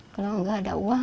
kalau nggak ada uang